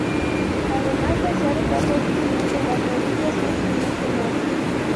Además de ser poco eficiente las rodillas sufren mucho más.